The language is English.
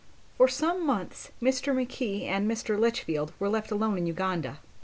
For some months, Mr. Mackay and Mr. Litch field were left alone in Uganda.